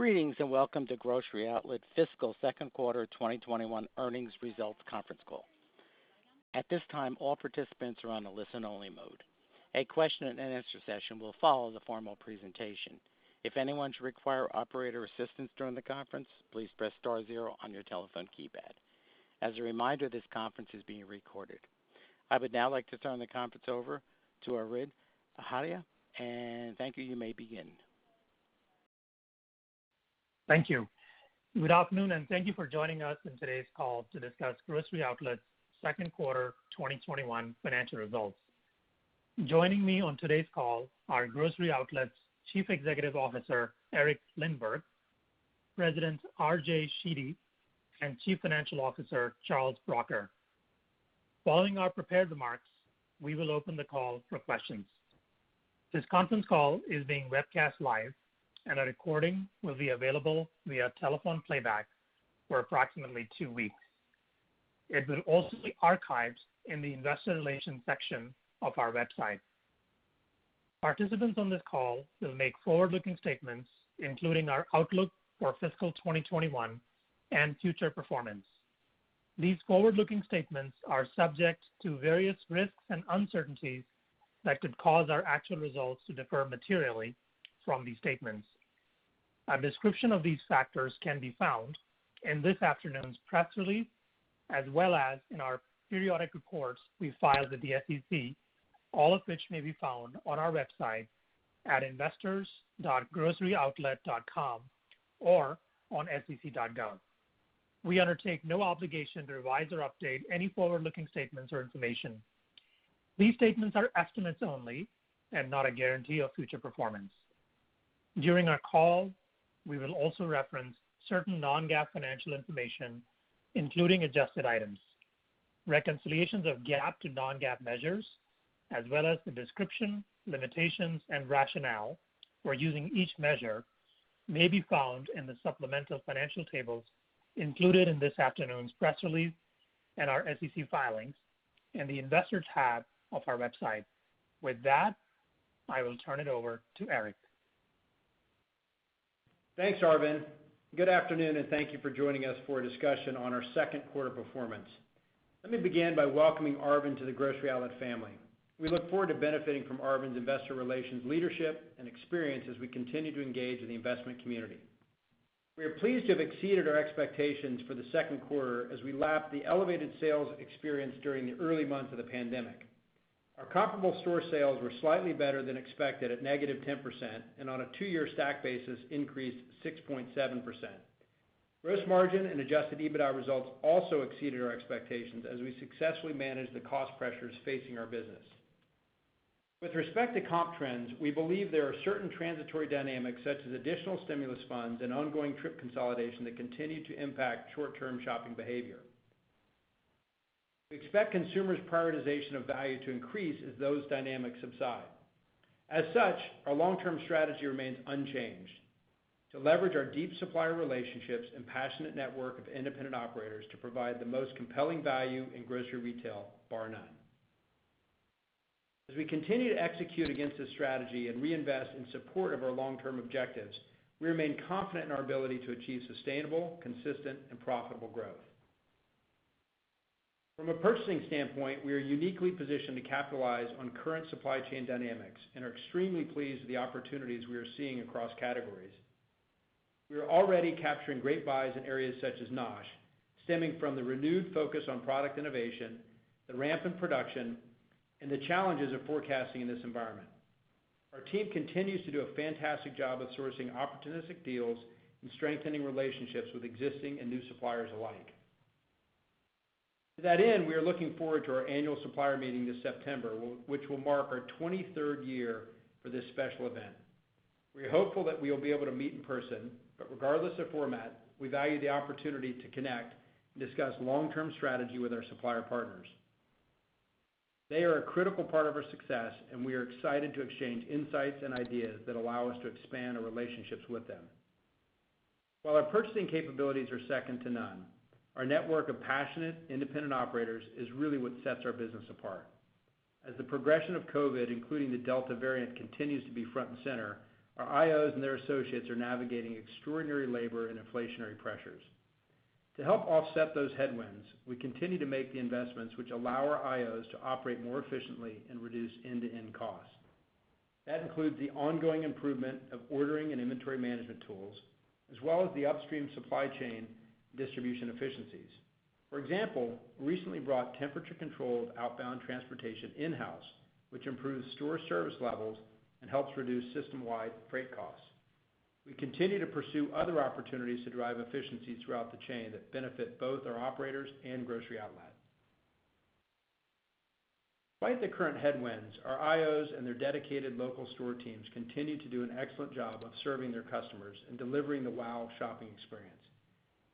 greetings and welcome to Grocery Outlet's fiscal second quarter 2021 earnings results conference call. at this time, all participants are on a listen-only mode. a question and answer session will follow the formal presentation. if anyone should require operator assistance during the conference, please press star zero on your telephone keypad. as a reminder, this conference is being recorded. i would now like to turn the conference over to Arvind Bhatia, and thank you. You may begin. Thank you. Good afternoon, and thank you for joining us on today's call to discuss Grocery Outlet's second quarter 2021 financial results. Joining me on today's call are Grocery Outlet's Chief Executive Officer, Eric Lindberg, President, RJ Sheedy, and Chief Financial Officer, Charles Bracher. Following our prepared remarks, we will open the call for questions. This conference call is being webcast live and a recording will be available via telephone playback for approximately two weeks. It will also be archived in the investor relations section of our website. Participants on this call will make forward-looking statements, including our outlook for fiscal 2021 and future performance. These forward-looking statements are subject to various risks and uncertainties that could cause our actual results to differ materially from these statements. A description of these factors can be found in this afternoon's press release, as well as in our periodic reports we file with the SEC, all of which may be found on our website at investors.groceryoutlet.com or on sec.gov. We undertake no obligation to revise or update any forward-looking statements or information. These statements are estimates only, and not a guarantee of future performance. During our call, we will also reference certain non-GAAP financial information, including adjusted items. Reconciliations of GAAP to non-GAAP measures, as well as the description, limitations, and rationale for using each measure may be found in the supplemental financial tables included in this afternoon's press release and our SEC filings in the Investors tab of our website. With that, I will turn it over to Eric. Thanks, Arvind. Good afternoon, and thank you for joining us for a discussion on our second quarter performance. Let me begin by welcoming Arvind to the Grocery Outlet family. We look forward to benefiting from Arvind's investor relations leadership and experience as we continue to engage with the investment community. We are pleased to have exceeded our expectations for the second quarter as we lapped the elevated sales experienced during the early months of the pandemic. Our comparable store sales were slightly better than expected at -10%, and on a two-year stack basis, increased 6.7%. Gross margin and adjusted EBITDA results also exceeded our expectations as we successfully managed the cost pressures facing our business. With respect to comp trends, we believe there are certain transitory dynamics such as additional stimulus funds and ongoing trip consolidation that continue to impact short-term shopping behavior. We expect consumers' prioritization of value to increase as those dynamics subside. Our long-term strategy remains unchanged. To leverage our deep supplier relationships and passionate network of Independent Operators to provide the most compelling value in grocery retail, bar none. We continue to execute against this strategy and reinvest in support of our long-term objectives, we remain confident in our ability to achieve sustainable, consistent, and profitable growth. From a purchasing standpoint, we are uniquely positioned to capitalize on current supply chain dynamics and are extremely pleased with the opportunities we are seeing across categories. We are already capturing great buys in areas such as NOSH, stemming from the renewed focus on product innovation, the ramp in production, and the challenges of forecasting in this environment. Our team continues to do a fantastic job of sourcing opportunistic deals and strengthening relationships with existing and new suppliers alike. To that end, we are looking forward to our Annual Supplier Meeting this September, which will mark our 2third year for this special event. We are hopeful that we will be able to meet in person, but regardless of format, we value the opportunity to connect and discuss long-term strategy with our supplier partners. They are a critical part of our success, and we are excited to exchange insights and ideas that allow us to expand our relationships with them. While our purchasing capabilities are second to none, our network of passionate, independent operators is really what sets our business apart. As the progression of COVID, including the Delta variant, continues to be front and center, our IOs and their associates are navigating extraordinary labor and inflationary pressures. To help offset those headwinds, we continue to make the investments which allow our IOs to operate more efficiently and reduce end-to-end costs. That includes the ongoing improvement of ordering and inventory management tools, as well as the upstream supply chain distribution efficiencies. For example, we recently brought temperature-controlled outbound transportation in-house, which improves store service levels and helps reduce system-wide freight costs. We continue to pursue other opportunities to drive efficiency throughout the chain that benefit both our operators and Grocery Outlet. Despite the current headwinds, our IOs and their dedicated local store teams continue to do an excellent job of serving their customers and deliveiing the WOW! shopping experience.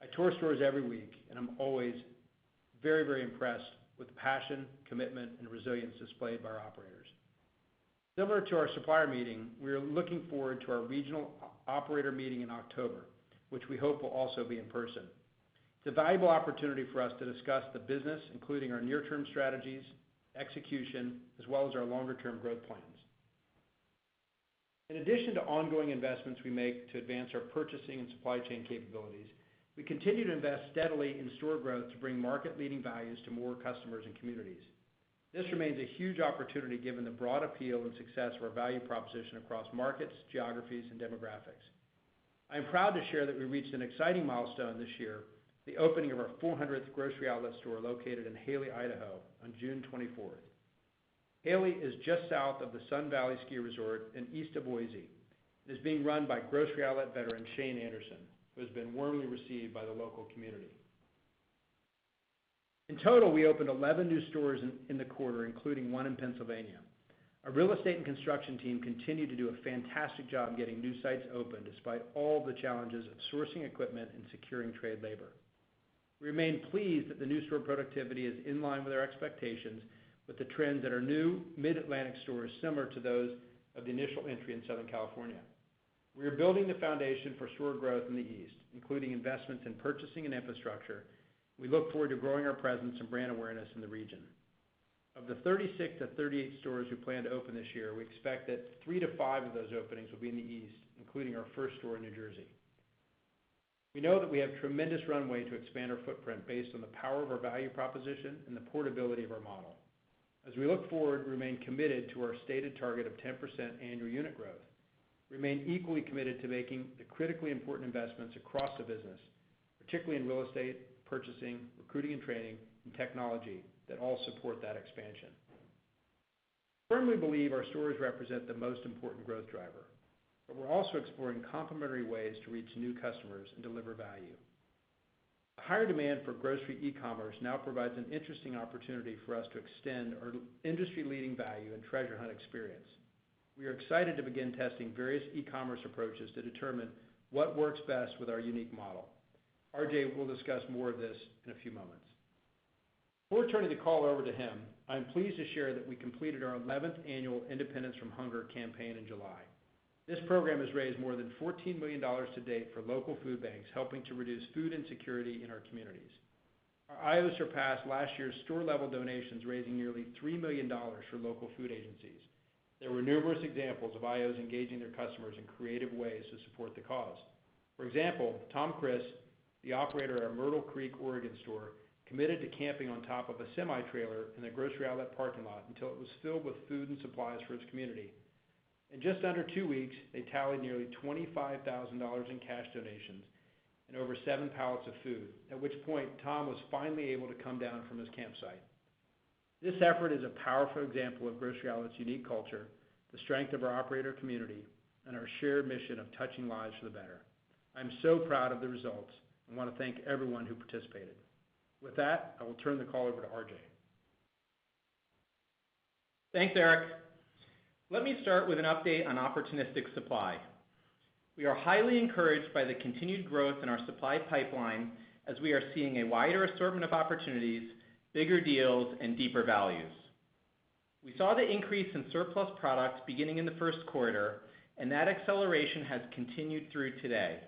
I tour stores every week, and I'm always very, very impressed with the passion, commitment, and resilience displayed by our operators. Similar to our supplier meeting, we are looking forward to our regional operator meeting in October, which we hope will also be in person. It's a valuable opportunity for us to discuss the business, including our near-term strategies, execution, as well as our longer-term growth plans. In addition to ongoing investments we make to advance our purchasing and supply chain capabilities, we continue to invest steadily in store growth to bring market-leading values to more customers and communities. This remains a huge opportunity given the broad appeal and success of our value proposition across markets, geographies, and demographics. I am proud to share that we reached an exciting milestone this year, the opening of our 400th Grocery Outlet store located in Hailey, Idaho on June 2fourth. Hailey is just south of the Sun Valley ski resort and east of Boise. It is being run by Grocery Outlet veteran Shane Anderson, who has been warmly received by the local community. In total, we opened 11 new stores in the quarter, including one in Pennsylvania. Our real estate and construction team continued to do a fantastic job getting new sites open, despite all the challenges of sourcing equipment and securing trade labor. We remain pleased that the new store productivity is in line with our expectations, with the trends at our new mid-Atlantic stores similar to those of the initial entry in Southern California. We are building the foundation for store growth in the East, including investments in purchasing and infrastructure. We look forward to growing our presence and brand awareness in the region. Of the 36-38 stores we plan to open this year, we expect that three to five of those openings will be in the East, including our first store in New Jersey. We know that we have tremendous runway to expand our footprint based on the power of our value proposition and the portability of our model. As we look forward, we remain committed to our stated target of 10% annual unit growth. We remain equally committed to making the critically important investments across the business, particularly in real estate, purchasing, recruiting and training, and technology that all support that expansion. We firmly believe our stores represent the most important growth driver, but we're also exploring complementary ways to reach new customers and deliver value. The higher demand for grocery e-commerce now provides an interesting opportunity for us to extend our industry-leading value and treasure hunt experience. We are excited to begin testing various e-commerce approaches to determine what works best with our unique model. RJ will discuss more of this in a few moments. Before turning the call over to him, I'm pleased to share that we completed our 11th annual Independence From Hunger campaign in July. This program has raised more than $14 million to date for local food banks, helping to reduce food insecurity in our communities. Our IOs surpassed last year's store-level donations, raising nearly $3 million for local food agencies. There were numerous examples of IOs engaging their customers in creative ways to support the cause. For example, Tom Crist, the operator of our Myrtle Creek, Oregon store, committed to camping on top of a semi-trailer in the Grocery Outlet parking lot until it was filled with food and supplies for his community. In just under two weeks, they tallied nearly $25,000 in cash donations and over seven pallets of food, at which point Tom was finally able to come down from his campsite. This effort is a powerful example of Grocery Outlet's unique culture, the strength of our operator community, and our shared mission of touching lives for the better. I'm so proud of the results and want to thank everyone who participated. With that, I will turn the call over to RJ. Thanks, Eric. Let me start with an update on opportunistic supply. We are highly encouraged by the continued growth in our supply pipeline as we are seeing a wider assortment of opportunities, bigger deals, and deeper values. We saw the increase in surplus products beginning in the first quarter, and that acceleration has continued through today.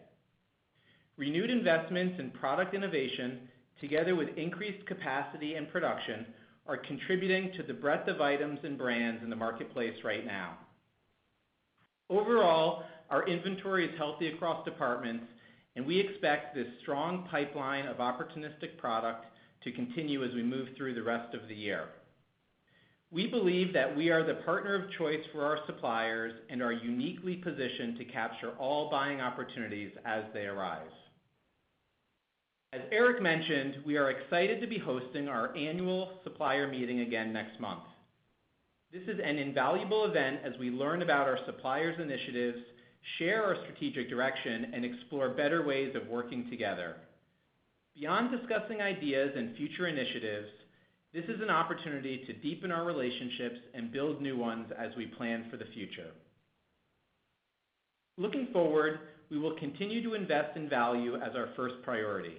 Renewed investments in product innovation together with increased capacity and production are contributing to the breadth of items and brands in the marketplace right now. Overall, our inventory is healthy across departments, and we expect this strong pipeline of opportunistic product to continue as we move through the rest of the year. We believe that we are the partner of choice for our suppliers and are uniquely positioned to capture all buying opportunities as they arise. As Eric mentioned, we are excited to be hosting our Annual Supplier Meeting again next month. This is an invaluable event as we learn about our suppliers' initiatives, share our strategic direction, and explore better ways of working together. Beyond discussing ideas and future initiatives, this is an opportunity to deepen our relationships and build new ones as we plan for the future. Looking forward, we will continue to invest in value as our 1 priority.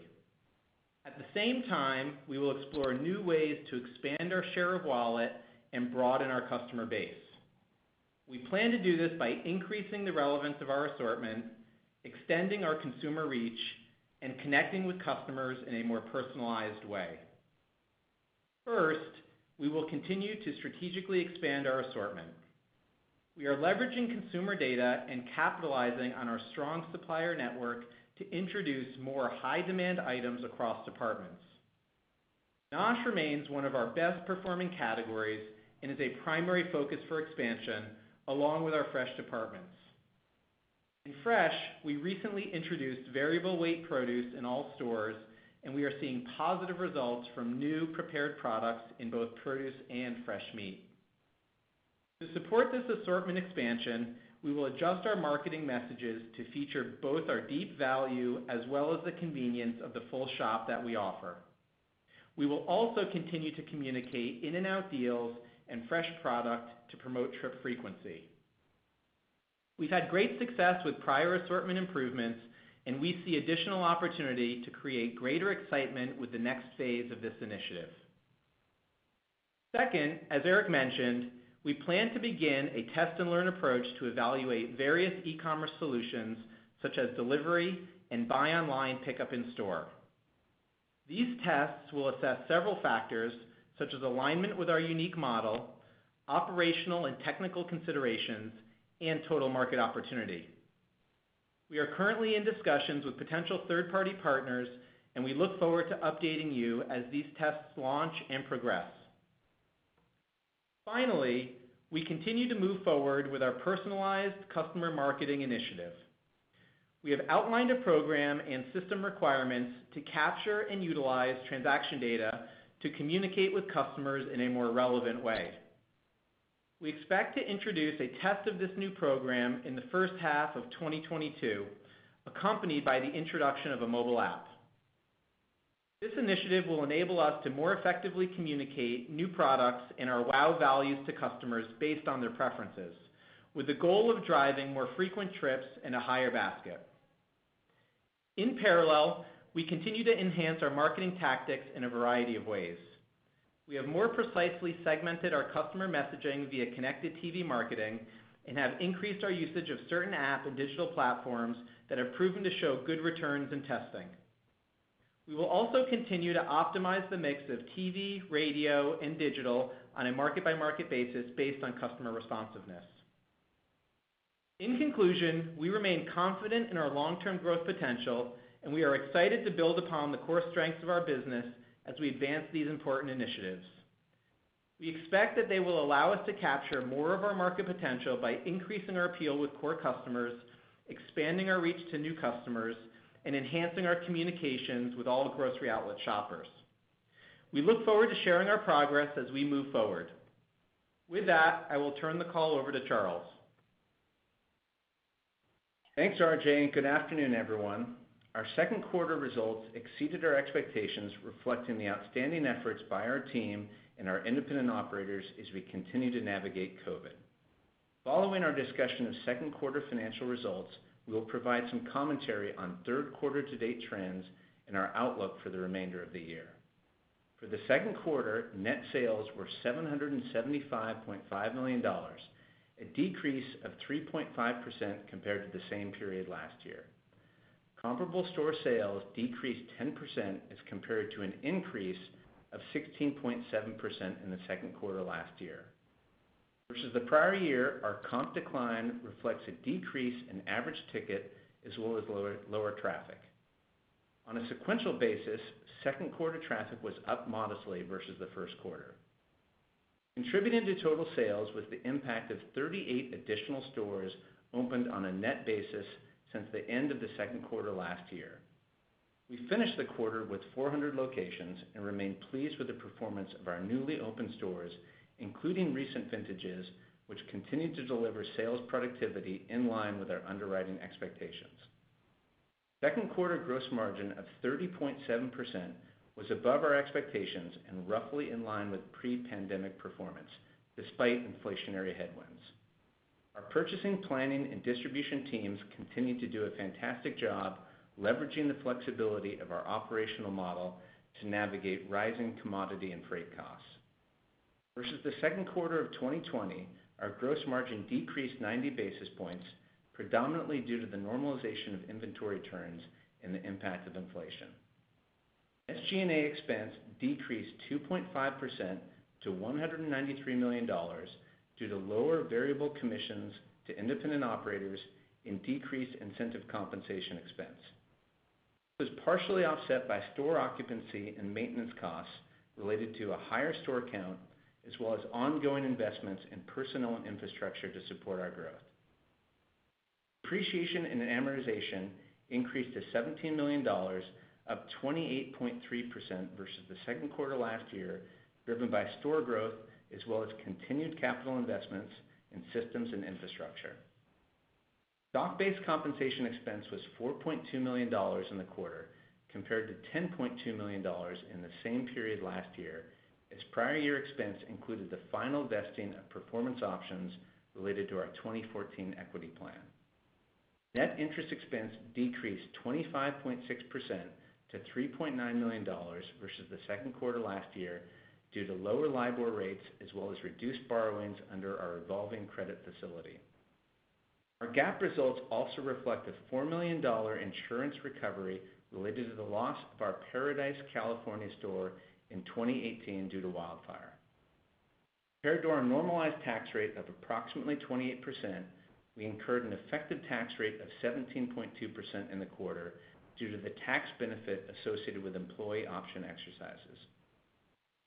At the same time, we will explore new ways to expand our share of wallet and broaden our customer base. We plan to do this by increasing the relevance of our assortment, extending our consumer reach, and connecting with customers in a more personalized way. First, we will continue to strategically expand our assortment. We are leveraging consumer data and capitalizing on our strong supplier network to introduce more high-demand items across departments. NOSH remains one of our best-performing categories and is a primary focus for expansion along with our fresh departments. In fresh, we recently introduced variable weight produce in all stores, and we are seeing positive results from new prepared products in both produce and fresh meat. To support this assortment expansion, we will adjust our marketing messages to feature both our deep value as well as the convenience of the full shop that we offer. We will also continue to communicate in-and-out deals and fresh product to promote trip frequency. We've had great success with prior assortment improvements, and we see additional opportunity to create greater excitement with the next phase of this initiative. Second, as Eric mentioned, we plan to begin a test-and-learn approach to evaluate various e-commerce solutions, such as delivery and buy online pickup in store. These tests will assess several factors, such as alignment with our unique model, operational and technical considerations, and total market opportunity. We are currently in discussions with potential third-party partners, and we look forward to updating you as these tests launch and progress. Finally, we continue to move forward with our personalized customer marketing initiative. We have outlined a program and system requirements to capture and utilize transaction data to communicate with customers in a more relevant way. We expect to introduce a test of this new program in the first half of 2022, accompanied by the introduction of a mobile app. This initiative will enable us to more effectively communicate new products and our WOW! values to customers based on their preferences, with the goal of driving more frequent trips and a higher basket. In parallel, we continue to enhance our marketing tactics in a variety of ways. We have more precisely segmented our customer messaging via connected TV marketing and have increased our usage of certain app and digital platforms that have proven to show good returns in testing. We will also continue to optimize the mix of TV, radio, and digital on a market-by-market basis based on customer responsiveness. In conclusion, we remain confident in our long-term growth potential, and we are excited to build upon the core strengths of our business as we advance these important initiatives. We expect that they will allow us to capture more of our market potential by increasing our appeal with core customers, expanding our reach to new customers, and enhancing our communications with all Grocery Outlet shoppers. We look forward to sharing our progress as we move forward. With that, I will turn the call over to Charles. Thanks, RJ, and good afternoon, everyone. Our second quarter results exceeded our expectations, reflecting the outstanding efforts by our team and our independent operators as we continue to navigate COVID. Following our discussion of second quarter financial results, we'll provide some commentary on third quarter-to-date trends and our outlook for the remainder of the year. For the second quarter, net sales were $775.5 million, a decrease of 3.5% compared to the same period last year. Comparable store sales decreased 10% as compared to an increase of 16.7% in the second quarter last year. Versus the prior year, our comp decline reflects a decrease in average ticket as well as lower traffic. On a sequential basis, second quarter traffic was up modestly versus the first quarter. Contributing to total sales was the impact of 38 additional stores opened on a net basis since the end of the second quarter last year. We finished the quarter with 400 locations and remain pleased with the performance of our newly opened stores, including recent vintages, which continue to deliver sales productivity in line with our underwriting expectations. Second quarter gross margin of 30.7% was above our expectations and roughly in line with pre-pandemic performance, despite inflationary headwinds. Our purchasing, planning, and distribution teams continued to do a fantastic job leveraging the flexibility of our operational model to navigate rising commodity and freight costs. Versus the second quarter of 2020, our gross margin decreased 90 basis points, predominantly due to the normalization of inventory turns and the impact of inflation. SG&A expense decreased 2.5% to $193 million due to lower variable commissions to Independent Operators and decreased incentive compensation expense. It was partially offset by store occupancy and maintenance costs related to a higher store count, as well as ongoing investments in personnel and infrastructure to support our growth. Depreciation and amortization increased to $17 million, up 28.3% versus the second quarter last year, driven by store growth as well as continued capital investments in systems and infrastructure. Stock-based compensation expense was $4.2 million in the quarter, compared to $10.2 million in the same period last year, as prior year expense included the final vesting of performance options related to our 2014 equity plan. Net interest expense decreased 25.6% to $3.9 million versus the second quarter last year due to lower LIBOR rates as well as reduced borrowings under our revolving credit facility. Our GAAP results also reflect a $4 million insurance recovery related to the loss of our Paradise, California store in 2018 due to wildfire. Compared to our normalized tax rate of approximately 28%, we incurred an effective tax rate of 17.2% in the quarter due to the tax benefit associated with employee option exercises.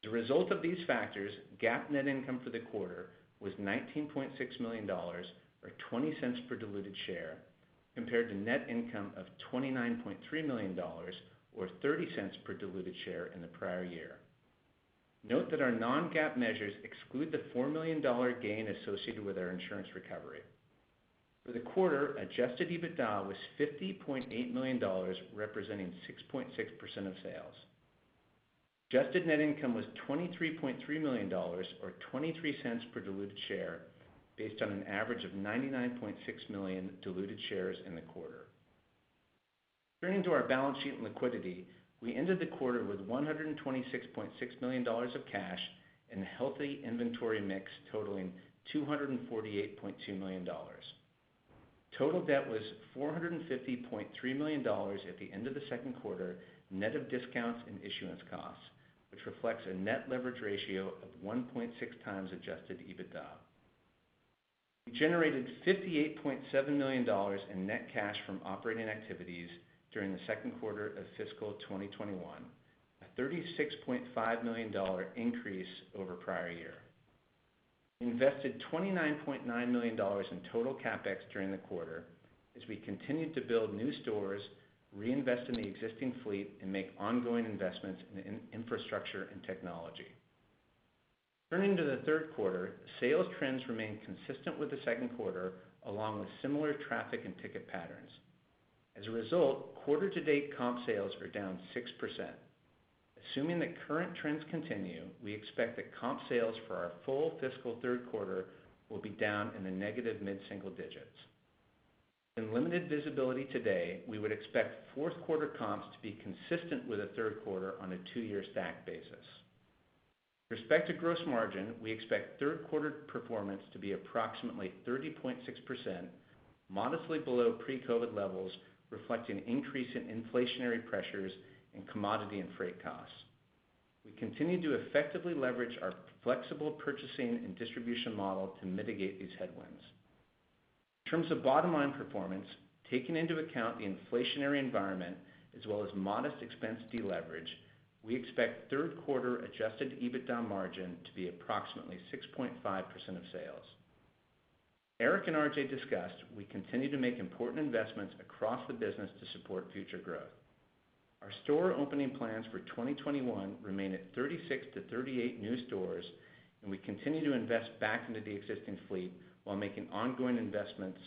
As a result of these factors, GAAP net income for the quarter was $19.6 million, or $0.20 per diluted share, compared to net income of $29.3 million, or $0.30 per diluted share in the prior year. Note that our non-GAAP measures exclude the $4 million gain associated with our insurance recovery. For the quarter, adjusted EBITDA was $50.8 million, representing 6.6% of sales. Adjusted net income was $23.3 million, or $0.23 per diluted share, based on an average of 99.6 million diluted shares in the quarter. Turning to our balance sheet and liquidity, we ended the quarter with $126.6 million of cash and a healthy inventory mix totaling $248.2 million. Total debt was $450.3 million at the end of the second quarter, net of discounts and issuance costs, which reflects a net leverage ratio of 1.6x adjusted EBITDA. We generated $58.7 million in net cash from operating activities during the second quarter of fiscal 2021, a $36.5 million increase over prior year. We invested $29.9 million in total CapEx during the quarter as we continued to build new stores, reinvest in the existing fleet, and make ongoing investments in infrastructure and technology. Turning to the third quarter, sales trends remain consistent with the second quarter, along with similar traffic and ticket patterns. As a result, quarter-to-date comp sales are down 6%. Assuming that current trends continue, we expect that comp sales for our full fiscal third quarter will be down in the negative mid-single digits. In limited visibility today, we would expect fourth quarter comps to be consistent with the third quarter on a two-year stack basis. With respect to gross margin, we expect third quarter performance to be approximately 30.6%, modestly below pre-COVID levels, reflecting increase in inflationary pressures and commodity and freight costs. We continue to effectively leverage our flexible purchasing and distribution model to mitigate these headwinds. In terms of bottom-line performance, taking into account the inflationary environment as well as modest expense deleverage, we expect third quarter adjusted EBITDA margin to be approximately 6.5% of sales. Eric and RJ discussed we continue to make important investments across the business to support future growth. Our store opening plans for 2021 remain at 36-38 new stores, and we continue to invest back into the existing fleet while making ongoing investments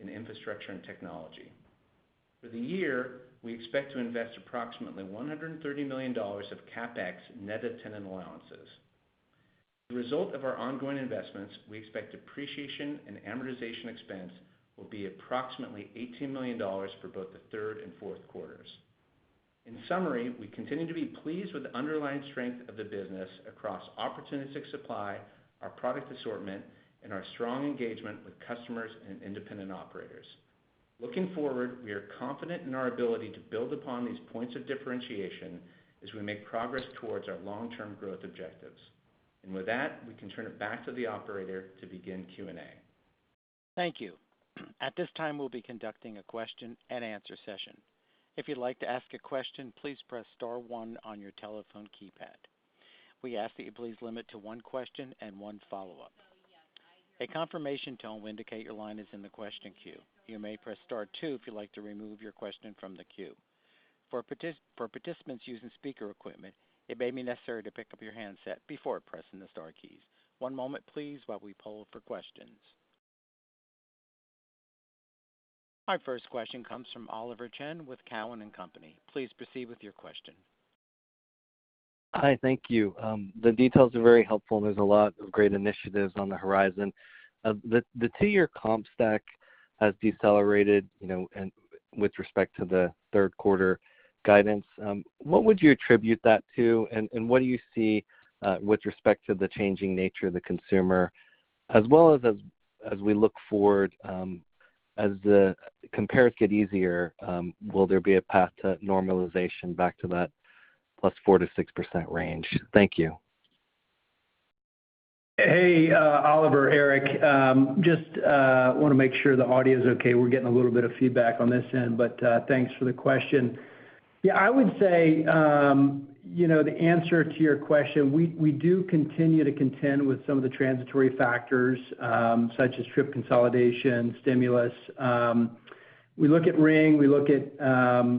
in infrastructure and technology. For the year, we expect to invest approximately $130 million of CapEx net of tenant allowances. As a result of our ongoing investments, we expect depreciation and amortization expense will be approximately $18 million for both the third and fourth quarters. In summary, we continue to be pleased with the underlying strength of the business across opportunistic supply, our product assortment, and our strong engagement with customers and Independent Operators. Looking forward, we are confident in our ability to build upon these points of differentiation as we make progress towards our long-term growth objectives. With that, we can turn it back to the operator to begin Q&A. Thank you. At this time, we'll be conducting a question and answer session. If you'd like to ask a question, please press star one on your telephone keypad. We ask that you please limit to one question and one follow-up. A confirmation tone will indicate your line is in the question queue. You may press star two if you'd like to remove your question from the queue. For participants using speaker equipment, it may be necessary to pick up your handset before pressing the star key. One moment, please, while we pull up the questions. Our first question comes from Oliver Chen with Cowen and Company. Please proceed with your question. Hi. Thank you. The details are very helpful, and there's a lot of great initiatives on the horizon. The two-year comp stack has decelerated with respect to the third quarter guidance. What would you attribute that to, and what do you see with respect to the changing nature of the consumer? As well as we look forward, as the compares get easier, will there be a path to normalization back to that +4%-6% range? Thank you. Hey, Oliver. Eric. Just want to make sure the audio's okay. We're getting a little bit of feedback on this end, but thanks for the question. Yeah, I would say, the answer to your question, we do continue to contend with some of the transitory factors, such as trip consolidation, stimulus. We look at ring, we look at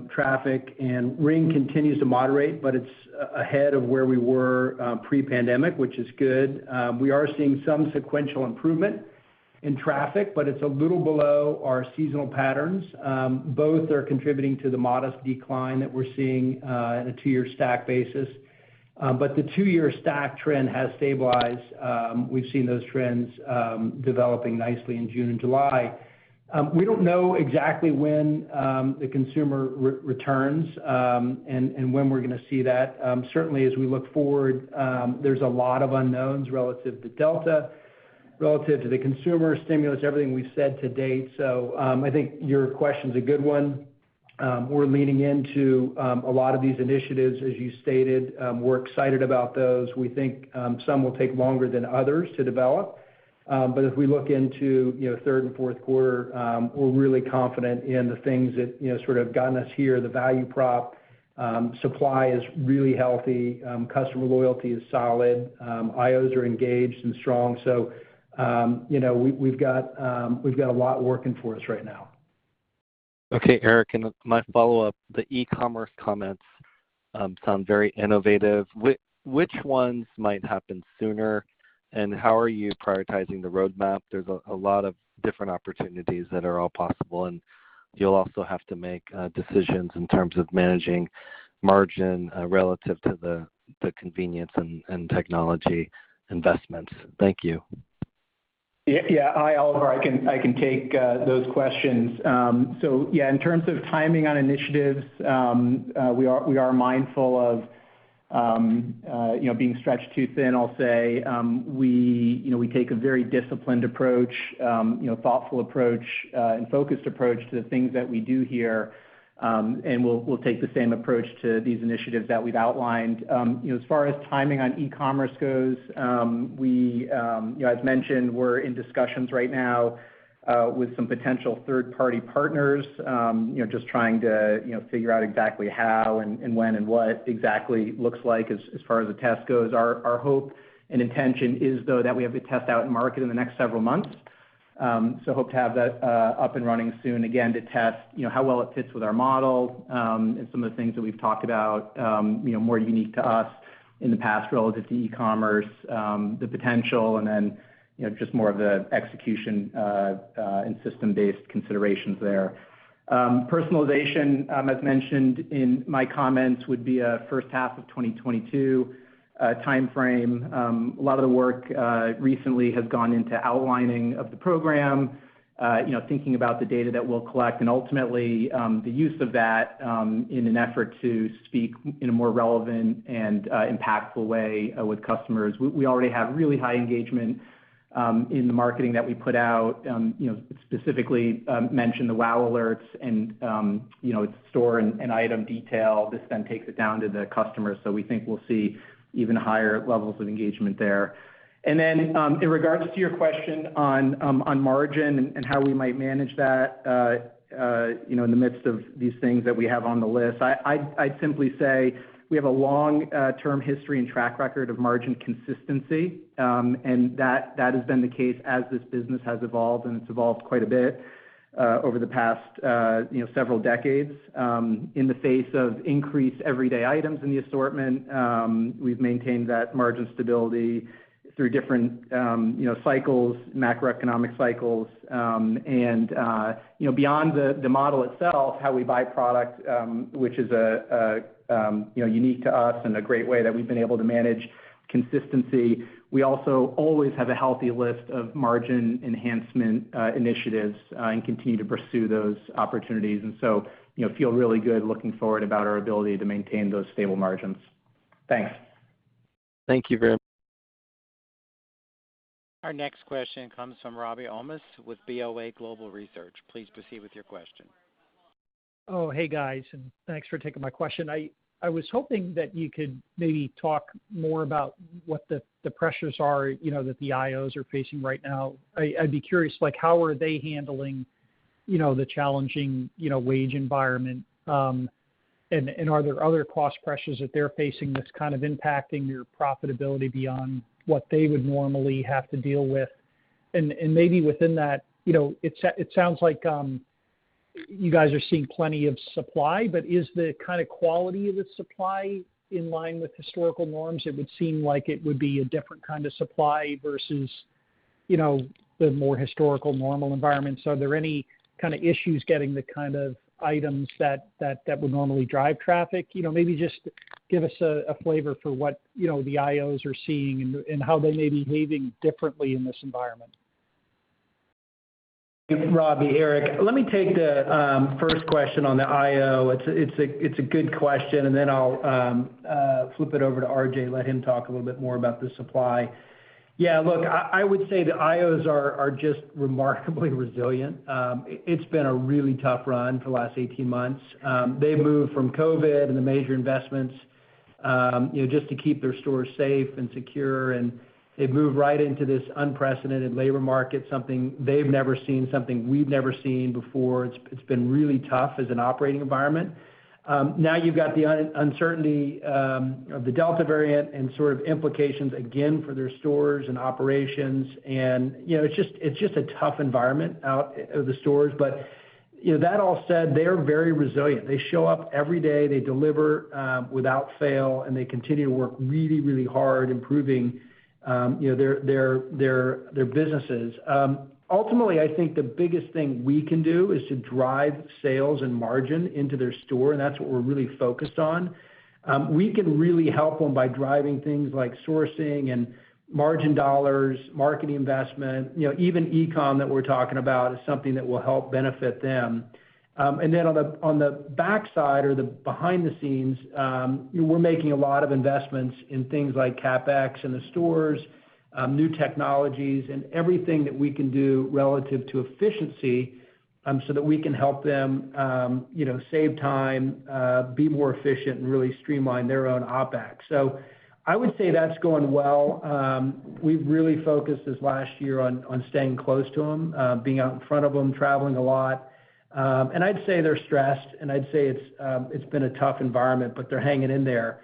traffic, ring continues to moderate, but it's ahead of where we were pre-pandemic, which is good. We are seeing some sequential improvement in traffic, but it's a little below our seasonal patterns. Both are contributing to the modest decline that we're seeing at a two-year stack basis. The two-year stack trend has stabilized. We've seen those trends developing nicely in June and July. We don't know exactly when the consumer returns, and when we're going to see that. Certainly, as we look forward, there's a lot of unknowns relative to Delta, relative to the consumer stimulus, everything we've said to date. I think your question's a good one. We're leaning into a lot of these initiatives, as you stated. We're excited about those. We think some will take longer than others to develop. As we look into third and fourth quarter, we're really confident in the things that have sort of gotten us here, the value prop. Supply is really healthy. Customer loyalty is solid. IOs are engaged and strong. We've got a lot working for us right now. Okay, Eric, and my follow-up, the e-commerce comments sound very innovative. Which ones might happen sooner, and how are you prioritizing the roadmap? There's a lot of different opportunities that are all possible, and you'll also have to make decisions in terms of managing margin relative to the convenience and technology investments. Thank you. Hi, Oliver. I can take those questions. In terms of timing on initiatives, we are mindful of being stretched too thin, I'll say. We take a very disciplined approach, thoughtful approach, and focused approach to the things that we do here, and we'll take the same approach to these initiatives that we've outlined. As far as timing on e-commerce goes, as mentioned, we're in discussions right now with some potential third-party partners, just trying to figure out exactly how and when and what exactly it looks like as far as a test goes. Our hope and intention is, though, that we have the test out in market in the next several months. Hope to have that up and running soon, again, to test how well it fits with our model and some of the things that we've talked about, more unique to us in the past relative to e-commerce, the potential, and then just more of the execution and system-based considerations there. Personalization, as mentioned in my comments, would be a first half of 2022 timeframe. A lot of the work recently has gone into outlining of the program, thinking about the data that we'll collect, and ultimately, the use of that in an effort to speak in a more relevant and impactful way with customers. We already have really high engagement in the marketing that we put out, specifically mention the WOW! alerts and its store and item detail. This then takes it down to the customer, so we think we'll see even higher levels of engagement there. Then in regards to your question on margin and how we might manage that in the midst of these things that we have on the list, I'd simply say we have a long-term history and track record of margin consistency, and that has been the case as this business has evolved, and it's evolved quite a bit over the past several decades. In the face of increased everyday items in the assortment, we've maintained that margin stability through different cycles, macroeconomic cycles. Beyond the model itself, how we buy product, which is unique to us and a great way that we've been able to manage consistency. We also always have a healthy list of margin enhancement initiatives and continue to pursue those opportunities. So, feel really good looking forward about our ability to maintain those stable margins. Thanks. Thank you very- Our next question comes from Robbie Ohmes with BofA Global Research. Please proceed with your question. Hey, guys. Thanks for taking my question. I was hoping that you could maybe talk more about what the pressures are that the IOs are facing right now. I'd be curious, how are they handling the challenging wage environment? Are there other cost pressures that they're facing that's kind of impacting your profitability beyond what they would normally have to deal with? Maybe within that, it sounds like you guys are seeing plenty of supply, but is the kind of quality of the supply in line with historical norms? It would seem like it would be a different kind of supply versus the more historical normal environment. Are there any kind of issues getting the kind of items that would normally drive traffic? Maybe just give us a flavor for what the IOs are seeing and how they may be behaving differently in this environment. Robbie, Eric. Let me take the first question on the IO. It's a good question, and then I'll flip it over to RJ and let him talk a little bit more about the supply. Yeah, look, I would say the IOs are just remarkably resilient. It's been a really tough run for the last 18 months. They moved from COVID and the major investments, just to keep their stores safe and secure, and they've moved right into this unprecedented labor market, something they've never seen, something we've never seen before. It's been really tough as an operating environment. Now you've got the uncertainty of the Delta variant and sort of implications, again, for their stores and operations, and it's just a tough environment out of the stores. That all said, they are very resilient. They show up every day, they deliver without fail, and they continue to work really, really hard improving their businesses. Ultimately, I think the biggest thing we can do is to drive sales and margin into their store. That's what we're really focused on. We can really help them by driving things like sourcing and margin dollars, marketing investment. Even e-com that we're talking about is something that will help benefit them. Then on the backside or the behind the scenes, we're making a lot of investments in things like CapEx in the stores, new technologies, and everything that we can do relative to efficiency so that we can help them save time, be more efficient, and really streamline their own OpEx. I would say that's going well. We've really focused this last year on staying close to them, being out in front of them, traveling a lot. I'd say they're stressed, and I'd say it's been a tough environment, but they're hanging in there.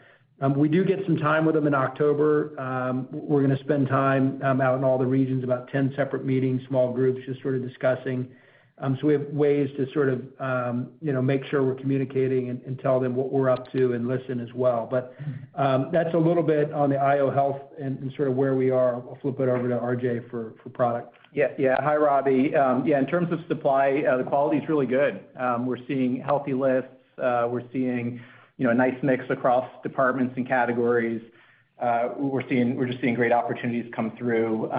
We do get some time with them in October. We're going to spend time out in all the regions, about 10 separate meetings, small groups, just sort of discussing. We have ways to sort of make sure we're communicating and tell them what we're up to and listen as well. That's a little bit on the IO health and sort of where we are. I'll flip it over to RJ for product. Yeah. Hi, Robert. Yeah, in terms of supply, the quality's really good. We're seeing healthy lists. We're seeing a nice mix across departments and categories. We're just seeing great opportunities come through.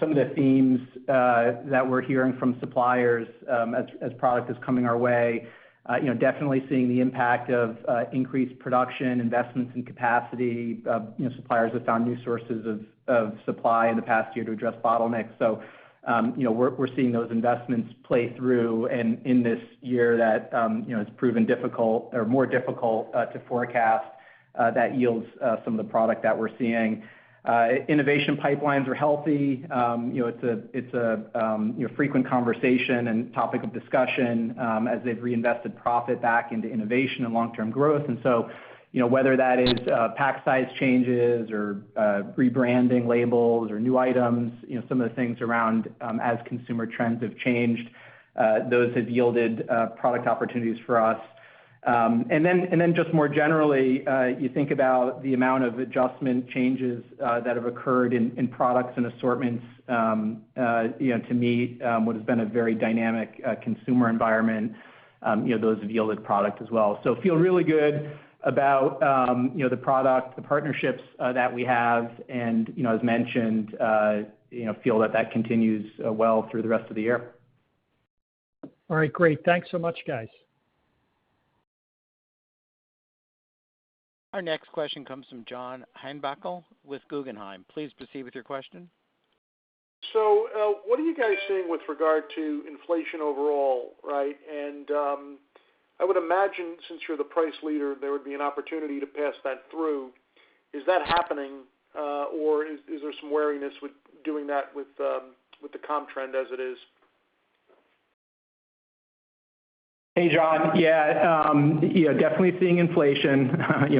Some of the themes that we're hearing from suppliers as product is coming our way, definitely seeing the impact of increased production, investments in capacity, suppliers have found new sources of supply in the past year to address bottlenecks. We're seeing those investments play through in this year that has proven difficult or more difficult to forecast, that yields some of the product that we're seeing. Innovation pipelines are healthy. It's a frequent conversation and topic of discussion as they've reinvested profit back into innovation and long-term growth. Whether that is pack size changes or rebranding labels or new items, some of the things around as consumer trends have changed, those have yielded product opportunities for us. Then just more generally, you think about the amount of adjustment changes that have occurred in products and assortments to meet what has been a very dynamic consumer environment. Those have yielded product as well. Feel really good about the product, the partnerships that we have, and as mentioned, feel that that continues well through the rest of the year. All right, great. Thanks so much, guys. Our next question comes from John Heinbockel with Guggenheim. Please proceed with your question. What are you guys seeing with regard to inflation overall, right? I would imagine since you're the price leader, there would be an opportunity to pass that through. Is that happening, or is there some wariness with doing that with the comp trend as it is? Hey, John. Yeah, definitely seeing inflation.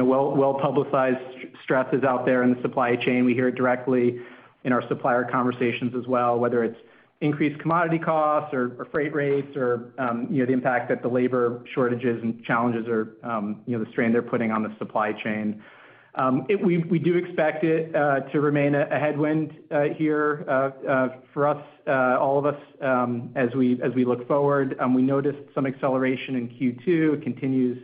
Well-publicized stresses out there in the supply chain. We hear it directly in our supplier conversations as well, whether it's increased commodity costs or freight rates or the impact that the labor shortages and challenges or the strain they're putting on the supply chain. We do expect it to remain a headwind here for us, all of us, as we look forward. We noticed some acceleration in Q2. It continues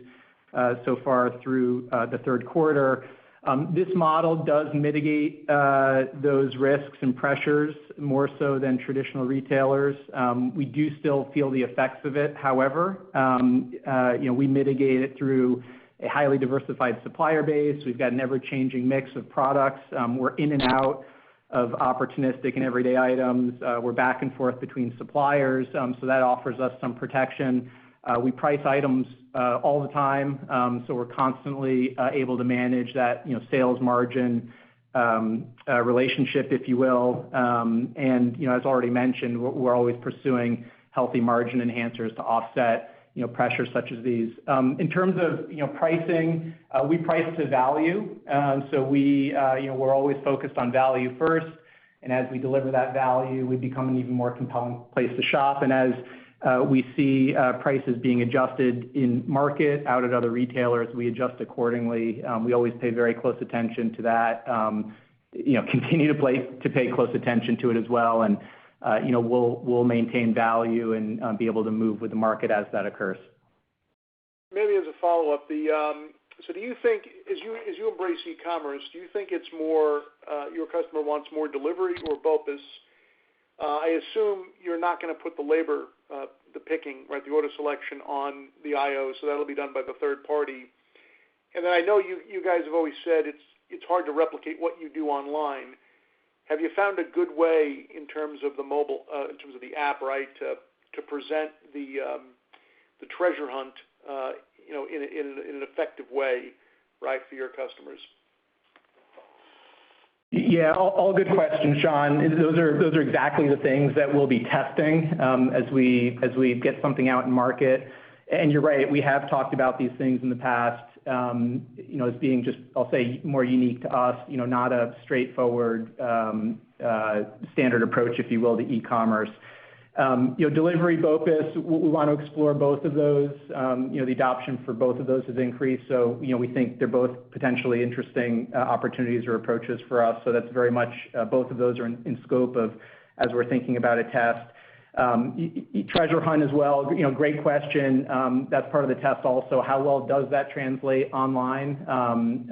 so far through the third quarter. This model does mitigate those risks and pressures more so than traditional retailers. We do still feel the effects of it, however. We mitigate it through a highly diversified supplier base. We've got an ever-changing mix of products. We're in and out of opportunistic and everyday items. We're back and forth between suppliers. That offers us some protection. We price items all the time, so we're constantly able to manage that sales margin relationship, if you will. As already mentioned, we're always pursuing healthy margin enhancers to offset pressures such as these. In terms of pricing, we price to value. We're always focused on value first, and as we deliver that value, we become an even more compelling place to shop. As we see prices being adjusted in market, out at other retailers, we adjust accordingly. We always pay very close attention to that. Continue to pay close attention to it as well, and we'll maintain value and be able to move with the market as that occurs. Maybe as a follow-up. As you embrace e-commerce, do you think your customer wants more delivery or BOPIS? I assume you're not going to put the labor, the picking, the order selection on the IO, so that'll be done by the third party. I know you guys have always said it's hard to replicate what you do online. Have you found a good way in terms of the app to present the treasure hunt in an effective way for your customers? All good questions, John. Those are exactly the things that we'll be testing as we get something out in market. You're right, we have talked about these things in the past as being just, I'll say, more unique to us, not a straightforward standard approach, if you will, to e-commerce. Delivery, BOPIS, we want to explore both of those. The adoption for both of those has increased. We think they're both potentially interesting opportunities or approaches for us. That's very much both of those are in scope as we're thinking about a test. Treasure hunt as well, great question. That's part of the test also. How well does that translate online?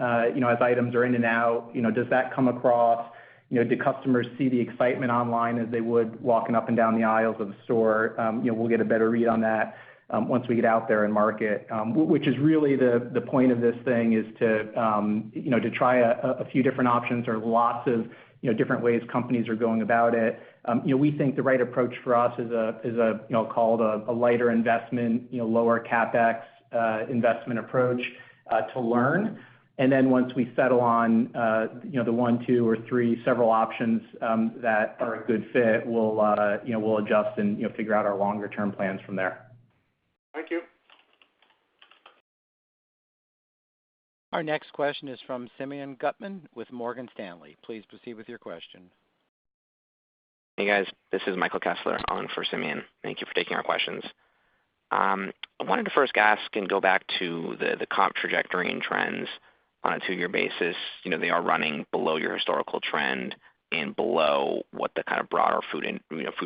As items are in and out, does that come across? Do customers see the excitement online as they would walking up and down the aisles of the store? We'll get a better read on that once we get out there in market, which is really the point of this thing is to try a few different options or lots of different ways companies are going about it. We think the right approach for us is called a lighter investment, lower CapEx investment approach to learn. Then once we settle on the one, two, or three several options that are a good fit, we'll adjust and figure out our longer term plans from there. Thank you. Our next question is from Simeon Gutman with Morgan Stanley. Please proceed with your question. Hey, guys. This is Michael Kessler on for Simeon. Thank you for taking our questions. I wanted to first ask and go back to the comp trajectory and trends on a two-year basis. They are running below your historical trend and below what the kind of broader food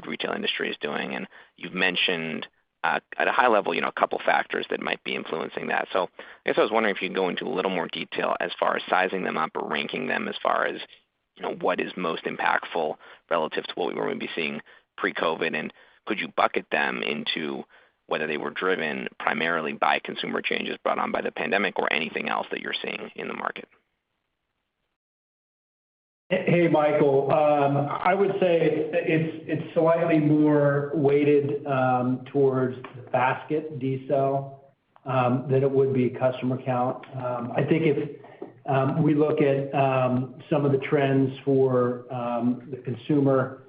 retail industry is doing, and you've mentioned, at a high level, a couple of factors that might be influencing that. I guess I was wondering if you could go into a little more detail as far as sizing them up or ranking them as far as what is most impactful relative to what we were going to be seeing pre-COVID? Could you bucket them into whether they were driven primarily by consumer changes brought on by the pandemic or anything else that you're seeing in the market? Hey, Michael. I would say it's slightly more weighted towards basket size than it would be customer count. I think if we look at some of the trends for the consumer,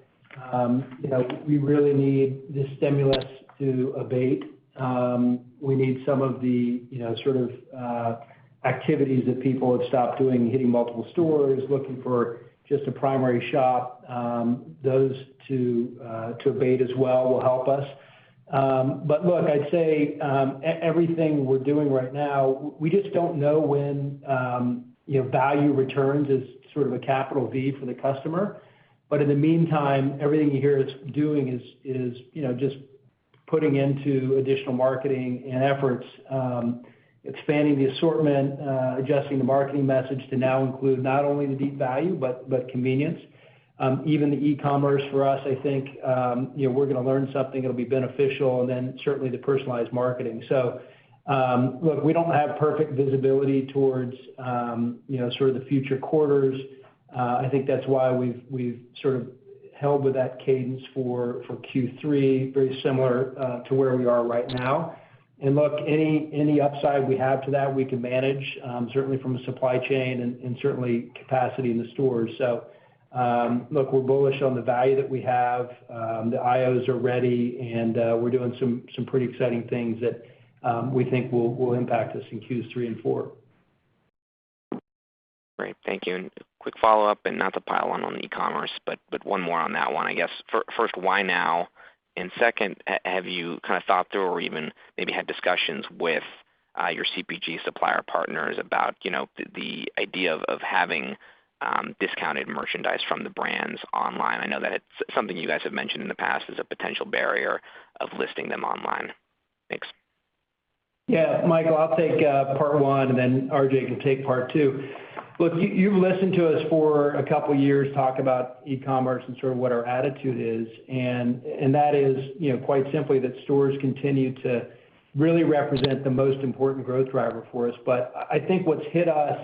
we really need the stimulus to abate. We need some of the sort of activities that people have stopped doing, hitting multiple stores, looking for just a primary shop, those to abate as well will help us. Look, I'd say, everything we're doing right now, we just don't know when value returns is sort of a capital V for the customer. In the meantime, everything you hear us doing is just putting into additional marketing and efforts, expanding the assortment, adjusting the marketing message to now include not only the deep value, but convenience. Even the e-commerce for us, I think, we're going to learn something that'll be beneficial, and then certainly the personalized marketing. Look, we don't have perfect visibility towards the future quarters. I think that's why we've sort of held with that cadence for Q3, very similar to where we are right now. Look, any upside we have to that we can manage, certainly from a supply chain and certainly capacity in the stores. Look, we're bullish on the value that we have. The IOs are ready, and we're doing some pretty exciting things that we think will impact us in Q3 and Q4. Great. Thank you. Quick follow-up, and not to pile on on the e-commerce, but one more on that one, I guess. First, why now? Second, have you kind of thought through or even maybe had discussions with your CPG supplier partners about the idea of having discounted merchandise from the brands online? I know that it's something you guys have mentioned in the past as a potential barrier of listing them online. Thanks. Yeah, Michael, I'll take part one, and then RJ can take part two. Look, you've listened to us for a couple of years talk about e-commerce and sort of what our attitude is. That is quite simply that stores continue to really represent the most important growth driver for us. I think what's hit us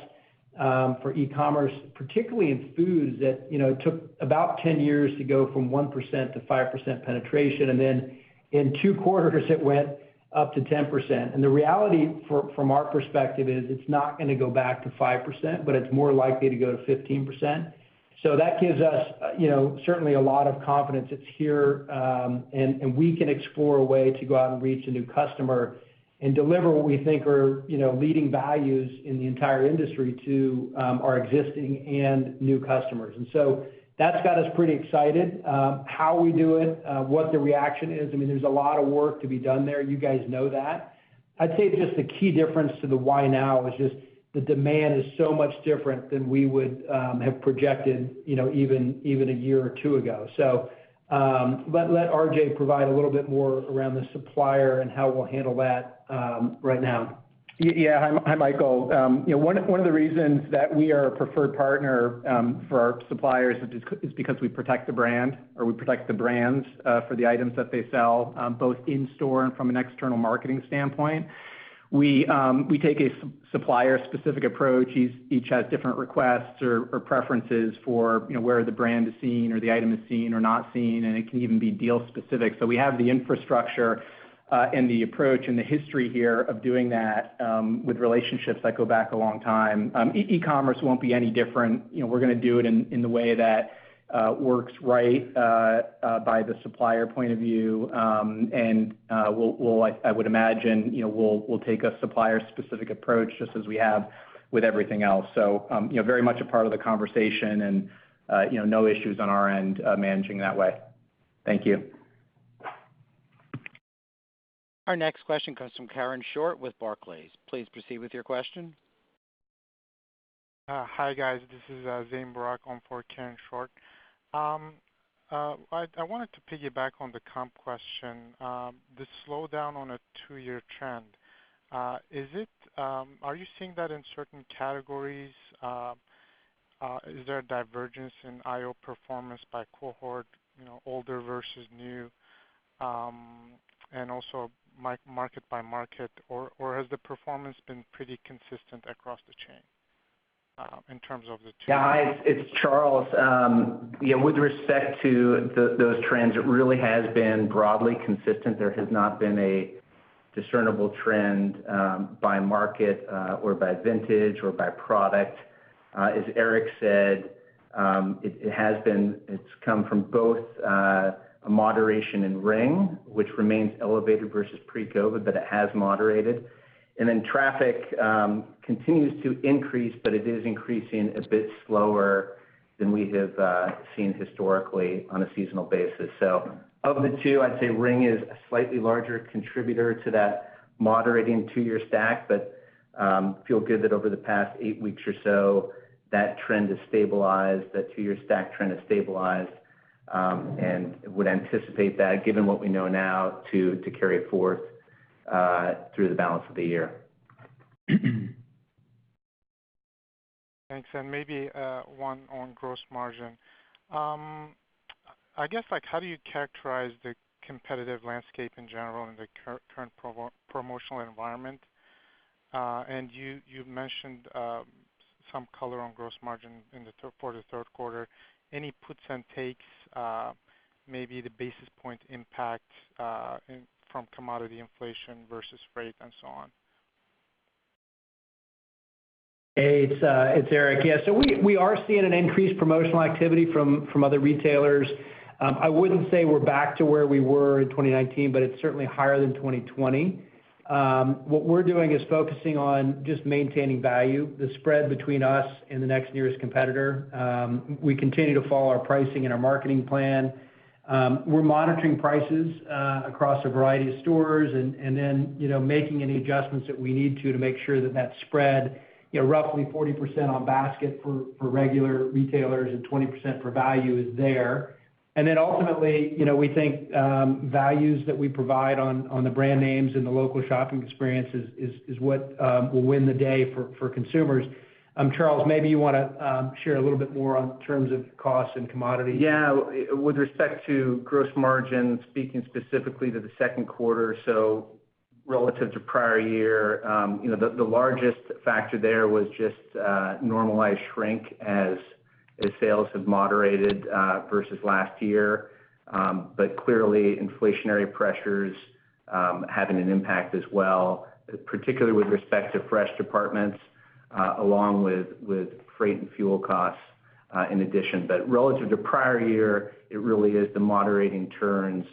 for e-commerce, particularly in food, is that it took about 10 years to go from 1% to 5% penetration, and then in two quarters it went up to 10%. The reality from our perspective is it's not going to go back to 5%, but it's more likely to go to 15%. That gives us certainly a lot of confidence. It's here, and we can explore a way to go out and reach a new customer and deliver what we think are leading values in the entire industry to our existing and new customers. That's got us pretty excited. How we do it, what the reaction is, I mean, there's a lot of work to be done there. You guys know that. I'd say just the key difference to the why now is just the demand is so much different than we would have projected even a year or two years ago. Let RJ provide a little bit more around the supplier and how we'll handle that right now. Yeah. Hi, Michael. One of the reasons that we are a preferred partner for our suppliers is because we protect the brand, or we protect the brands for the items that they sell, both in store and from an external marketing standpoint. We take a supplier specific approach. Each has different requests or preferences for where the brand is seen or the item is seen or not seen, and it can even be deal specific. We have the infrastructure and the approach and the history here of doing that with relationships that go back a long time. E-commerce won't be any different. We're going to do it in the way that works right by the supplier point of view. I would imagine we'll take a supplier specific approach just as we have with everything else. Very much a part of the conversation and no issues on our end managing that way. Thank you. Our next question comes from Karen Short with Barclays. Please proceed with your question. Hi, guys. This is Zain Akbari on for Karen Short. I wanted to piggyback on the comp question. The slowdown on a two-year trend. Are you seeing that in certain categories? Is there a divergence in IO performance by cohort, older versus new? Also market by market, or has the performance been pretty consistent across the chain? Hi, it's Charles. With respect to those trends, it really has been broadly consistent. There has not been a discernible trend by market or by vintage or by product. As Eric said, it's come from both a moderation in Ring, which remains elevated versus pre-COVID, but it has moderated. Traffic continues to increase, but it is increasing a bit slower than we have seen historically on a seasonal basis. Of the two, I'd say Ring is a slightly larger contributor to that moderating two-year stack, but feel good that over the past eight weeks or so, that trend has stabilized, that two-year stack trend has stabilized. Would anticipate that given what we know now to carry it forth through the balance of the year. Thanks. Maybe one on gross margin. I guess, how do you characterize the competitive landscape in general in the current promotional environment? You mentioned some color on gross margin for the third quarter. Any puts and takes, maybe the basis point impact from commodity inflation versus freight and so on? Hey, it's Eric. Yeah. We are seeing an increased promotional activity from other retailers. I wouldn't say we're back to where we were in 2019, but it's certainly higher than 2020. What we're doing is focusing on just maintaining value, the spread between us and the next nearest competitor. We continue to follow our pricing and our marketing plan. We're monitoring prices across a variety of stores and then making any adjustments that we need to to make sure that that spread, roughly 40% on basket for regular retailers and 20% for value is there. Ultimately, we think values that we provide on the brand names and the local shopping experience is what will win the day for consumers. Charles, maybe you want to share a little bit more on terms of costs and commodity. With respect to gross margin, speaking specifically to the second quarter, relative to prior year, the largest factor there was just normalized shrink as sales have moderated versus last year. Clearly inflationary pressures having an impact as well, particularly with respect to fresh departments, along with freight and fuel costs in addition. Relative to prior year, it really is the moderating turns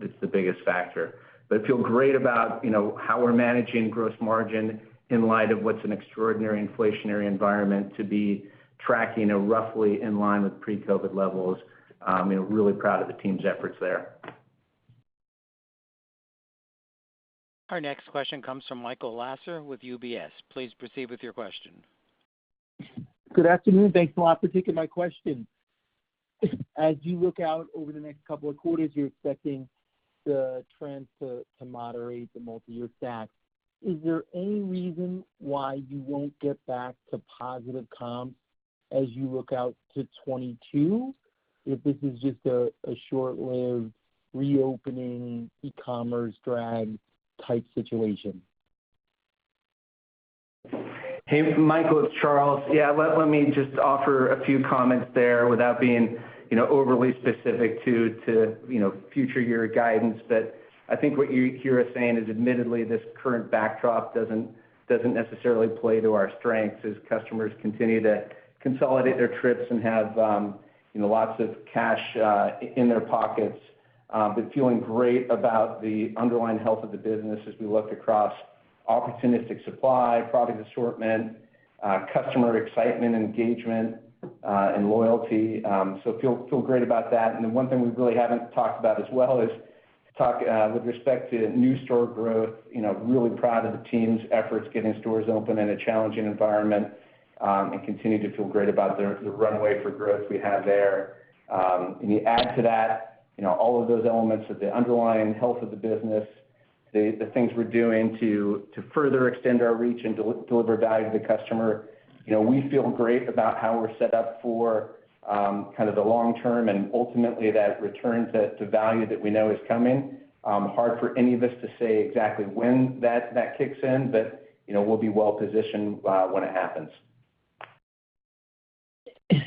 that's the biggest factor. I feel great about how we're managing gross margin in light of what's an extraordinary inflationary environment to be tracking roughly in line with pre-COVID levels. Really proud of the team's efforts there. Our next question comes from Michael Lasser with UBS. Please proceed with your question. Good afternoon. Thanks a lot for taking my question. As you look out over the next couple of quarters, you're expecting the trends to moderate the multiyear stack. Is there any reason why you won't get back to positive comps as you look out to 2022, if this is just a short-lived reopening, e-commerce drag type situation? Hey, Michael, it's Charles. Yeah, let me just offer a few comments there without being overly specific to future year guidance. I think what you're saying is admittedly this current backdrop doesn't necessarily play to our strengths as customers continue to consolidate their trips and have lots of cash in their pockets. Feeling great about the underlying health of the business as we look across opportunistic supply, product assortment, customer excitement, engagement, and loyalty. Feel great about that. The one thing we really haven't talked about as well is talk with respect to new store growth, really proud of the team's efforts getting stores open in a challenging environment, and continue to feel great about the runway for growth we have there. When you add to that all of those elements of the underlying health of the business, the things we're doing to further extend our reach and deliver value to the customer, we feel great about how we're set up for kind of the long term and ultimately that return to value that we know is coming. Hard for any of us to say exactly when that kicks in, but we'll be well positioned when it happens.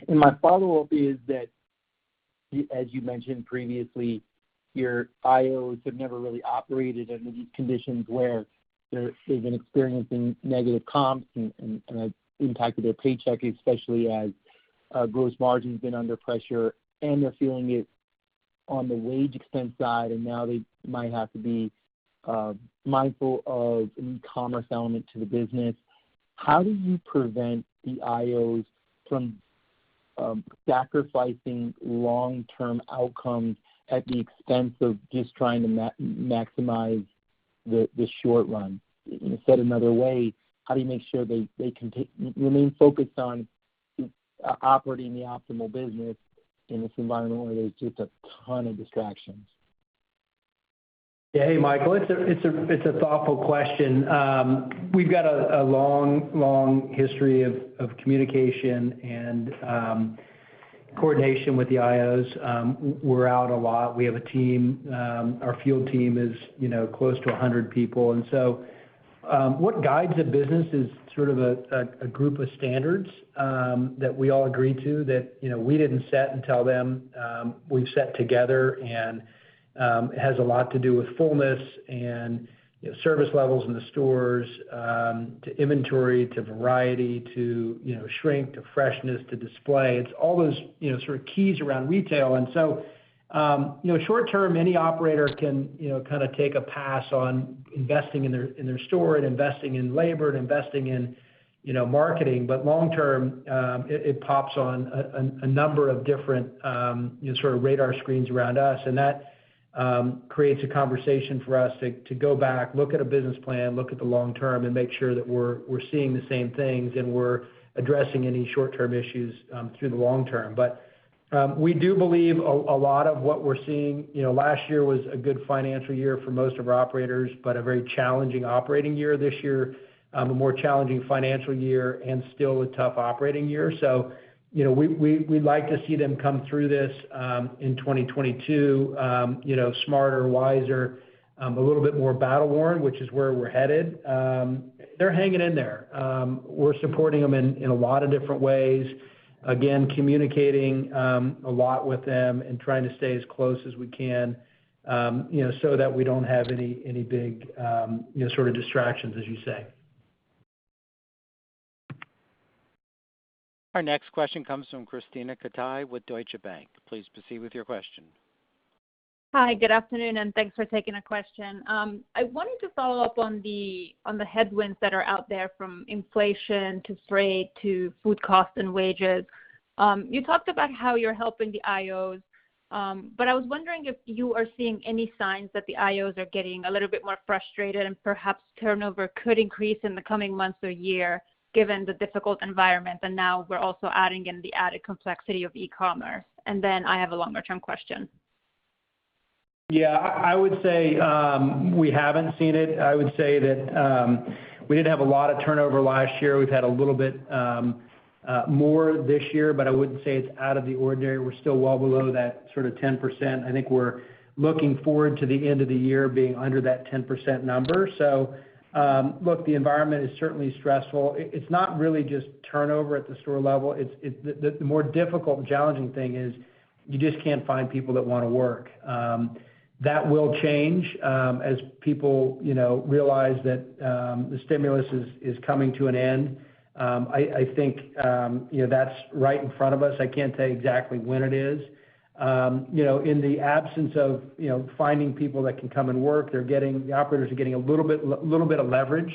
My follow-up is that, as you mentioned previously, your IOs have never really operated under these conditions where they've been experiencing negative comps and an impact to their paycheck, especially as gross margin's been under pressure and they're feeling it on the wage expense side, and now they might have to be mindful of an e-commerce element to the business. How do you prevent the IOs from sacrificing long-term outcomes at the expense of just trying to maximize the short run? Said another way, how do you make sure they remain focused on operating the optimal business in this environment where there's just a ton of distractions? Yeah. Hey, Michael, it's a thoughtful question. We've got a long history of communication and coordination with the IOs. We're out a lot. We have a team. Our field team is close to 100 people. What guides a business is sort of a group of standards that we all agree to that we didn't set and tell them. We've set together and it has a lot to do with fullness and service levels in the stores, to inventory, to variety, to shrink, to freshness, to display. It's all those sort of keys around retail. Short term, any operator can kind of take a pass on investing in their store and investing in labor and investing in marketing. Long term, it pops on a number of different sort of radar screens around us, and that creates a conversation for us to go back, look at a business plan, look at the long term, and make sure that we're seeing the same things and we're addressing any short-term issues through the long term. We do believe a lot of what we're seeing, last year was a good financial year for most of our operators, but a very challenging operating year this year, a more challenging financial year and still a tough operating year. We'd like to see them come through this in 2022, smarter, wiser, a little bit more battle worn, which is where we're headed. They're hanging in there. We're supporting them in a lot of different ways. Again, communicating a lot with them and trying to stay as close as we can, so that we don't have any big sort of distractions, as you say. Our next question comes from Krisztina Katai with Deutsche Bank. Please proceed with your question. Hi, good afternoon and thanks for taking a question. I wanted to follow up on the headwinds that are out there from inflation to freight to food costs and wages. You talked about how you're helping the IOs, but I was wondering if you are seeing any signs that the IOs are getting a little bit more frustrated and perhaps turnover could increase in the coming months or year given the difficult environment, and now we're also adding in the added complexity of e-commerce. I have a longer-term question. Yeah, I would say we haven't seen it. I would say that we did have a lot of turnover last year. We've had a little bit more this year, but I wouldn't say it's out of the ordinary. We're still well below that sort of 10%. I think we're looking forward to the end of the year being under that 10% number. Look, the environment is certainly stressful. It's not really just turnover at the store level. The more difficult and challenging thing is you just can't find people that want to work. That will change as people realize that the stimulus is coming to an end. I think that's right in front of us. I can't tell you exactly when it is. In the absence of finding people that can come and work, the operators are getting a little bit of leverage,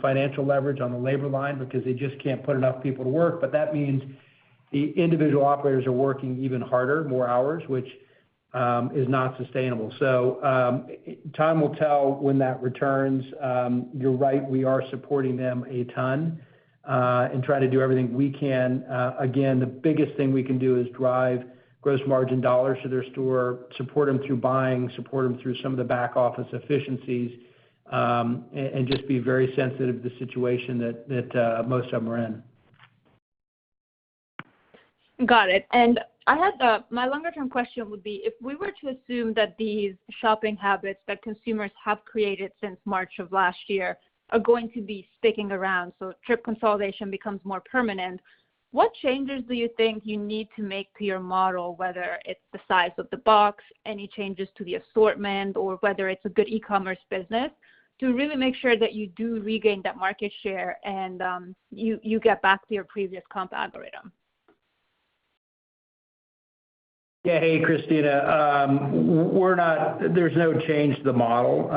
financial leverage on the labor line because they just can't put enough people to work. That means the individual operators are working even harder, more hours, which is not sustainable. Time will tell when that returns. You're right, we are supporting them a ton, and try to do everything we can. Again, the biggest thing we can do is drive gross margin dollars to their store, support them through buying, support them through some of the back office efficiencies, and just be very sensitive to the situation that most of them are in. Got it. My longer term question would be, if we were to assume that these shopping habits that consumers have created since March of last year are going to be sticking around, so trip consolidation becomes more permanent, what changes do you think you need to make to your model, whether it's the size of the box, any changes to the assortment, or whether it's a good e-commerce business to really make sure that you do regain that market share and you get back to your previous comp algorithm? Hey, Krisztina. There's no change to the model.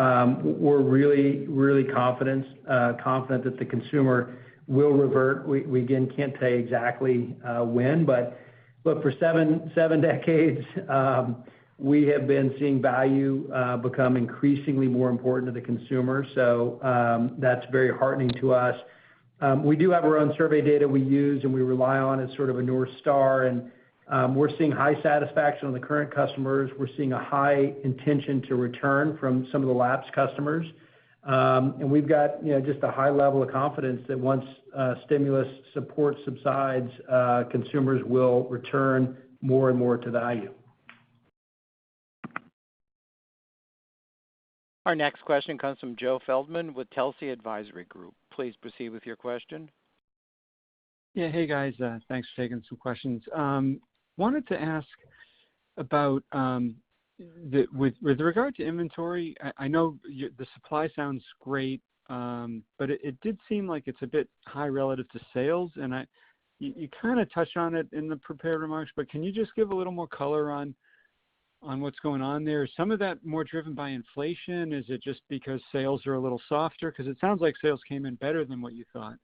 We're really confident that the consumer will revert. We, again, can't tell you exactly when, but for seven decades, we have been seeing value become increasingly more important to the consumer. That's very heartening to us. We do have our own survey data we use and we rely on as sort of a North Star, and we're seeing high satisfaction on the current customers. We're seeing a high intention to return from some of the lapsed customers. We've got just a high level of confidence that once stimulus support subsides, consumers will return more and more to the value. Our next question comes from Joe Feldman with Telsey Advisory Group. Please proceed with your question. Yeah. Hey, guys. Thanks for taking some questions. I wanted to ask about, with regard to inventory, I know the supply sounds great, but it did seem like it's a bit high relative to sales, and you kind of touched on it in the prepared remarks, but can you just give a little more color on what's going on there? Is some of that more driven by inflation? Is it just because sales are a little softer? It sounds like sales came in better than what you thought.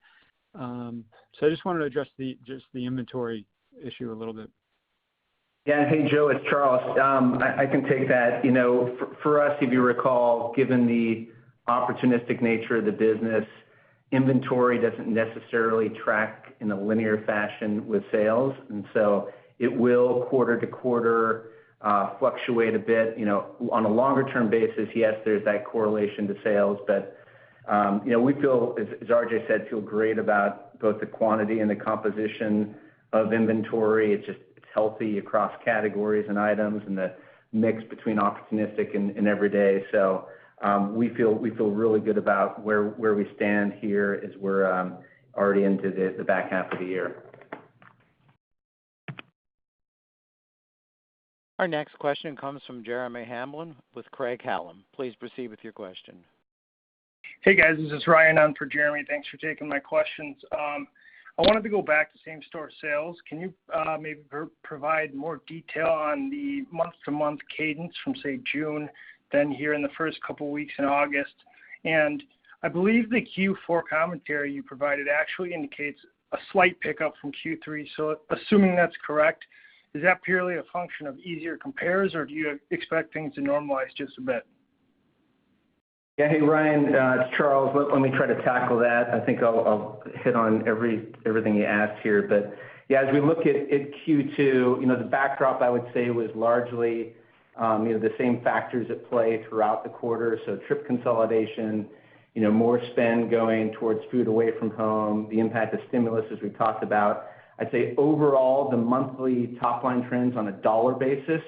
I just wanted to address the inventory issue a little bit. Yeah. Hey, Joe, it's Charles. I can take that. For us, if you recall, given the opportunistic nature of the business, inventory doesn't necessarily track in a linear fashion with sales, and so it will quarter-to-quarter fluctuate a bit. On a longer term basis, yes, there's that correlation to sales. We, as RJ said, feel great about both the quantity and the composition of inventory. It's healthy across categories and items, and the mix between opportunistic and everyday. We feel really good about where we stand here as we're already into the back half of the year. Our next question comes from Jeremy Hamblin with Craig-Hallum. Please proceed with your question. Hey, guys, this is Ryan on for Jeremy. Thanks for taking my questions. I wanted to go back to same-store sales. Can you maybe provide more detail on the month-to-month cadence from, say, June than here in the first couple of weeks in August? I believe the Q4 commentary you provided actually indicates a slight pickup from Q3. Assuming that's correct, is that purely a function of easier compares, or do you expect things to normalize just a bit? Yeah. Hey, Ryan, it's Charles. Let me try to tackle that. I think I'll hit on everything you asked here. Yeah, as we look at Q2, the backdrop, I would say, was largely the same factors at play throughout the quarter. Trip consolidation, more spend going towards food away from home, the impact of stimulus, as we've talked about. I'd say overall, the monthly top-line trends on a dollar basis,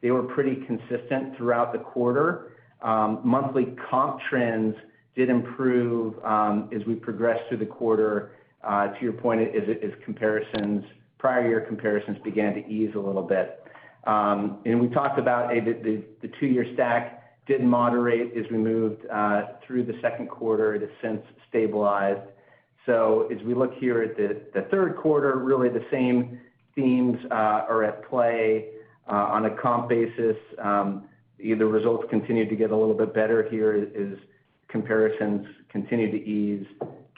they were pretty consistent throughout the quarter. Monthly comp trends did improve as we progressed through the quarter, to your point, as prior year comparisons began to ease a little bit. We talked about the two-year stack did moderate as we moved through the second quarter. It has since stabilized. As we look here at the third quarter, really the same themes are at play. On a comp basis, the results continue to get a little bit better here as comparisons continue to ease.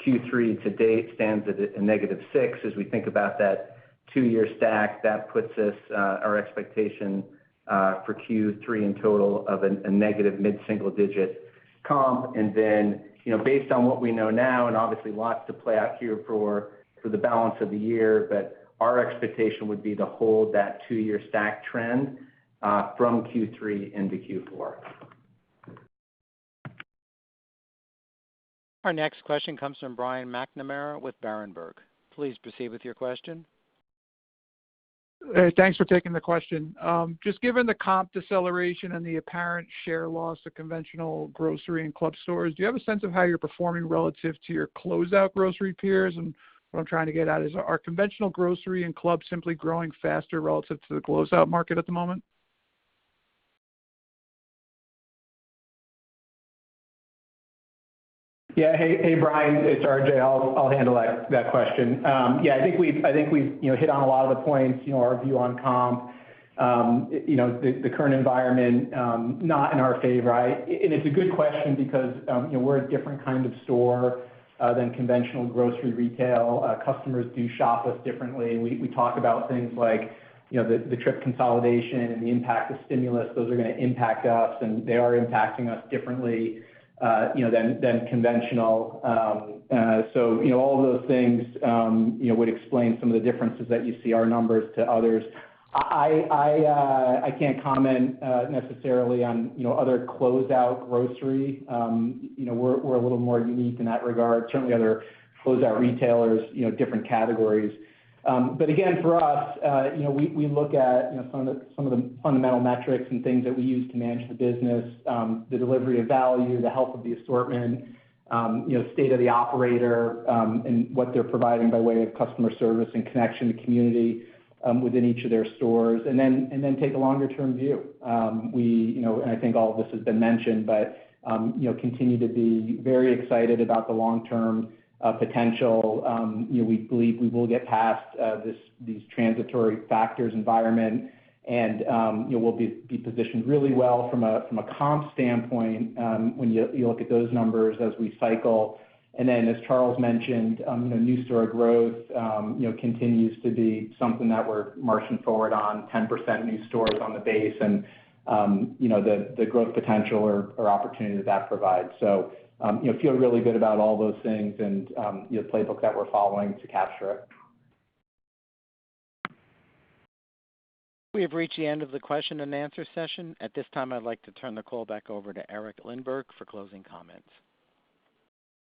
Q3 to date stands at a -6%. As we think about that two-year stack, that puts our expectation for Q3 in total of a negative mid-single-digit comp. Then, based on what we know now, and obviously lots to play out here for the balance of the year, but our expectation would be to hold that two-year stack trend from Q3 into Q4. Our next question comes from Brian McNamara with Berenberg. Please proceed with your question. Hey, thanks for taking the question. Just given the comp deceleration and the apparent share loss to conventional grocery and club stores, do you have a sense of how you're performing relative to your closeout grocery peers? What I'm trying to get at is, are conventional grocery and club simply growing faster relative to the closeout market at the moment? Yeah. Hey, Brian, it's RJ. I'll handle that question. Yeah, I think we've hit on a lot of the points, our view on comp. The current environment, not in our favor. It's a good question because we're a different kind of store than conventional grocery retail. Customers do shop us differently. We talk about things like the trip consolidation and the impact of stimulus. Those are going to impact us, and they are impacting us differently than conventional. All of those things would explain some of the differences that you see our numbers to others. I can't comment necessarily on other closeout grocery. We're a little more unique in that regard. Certainly, other closeout retailers, different categories. Again, for us, we look at some of the fundamental metrics and things that we use to manage the business, the delivery of value, the health of the assortment, state of the operator, and what they're providing by way of customer service and connection to community within each of their stores, then take a longer-term view. I think all of this has been mentioned, continue to be very excited about the long-term potential. We believe we will get past these transitory factors environment, we'll be positioned really well from a comp standpoint when you look at those numbers as we cycle. As Charles mentioned, new store growth continues to be something that we're marching forward on, 10% new stores on the base and the growth potential or opportunity that that provides. Feel really good about all those things and the playbook that we're following to capture it. We have reached the end of the question-and-answer session. At this time, I'd like to turn the call back over to Eric Lindberg for closing comments.